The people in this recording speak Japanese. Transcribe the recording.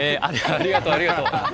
ありがとう。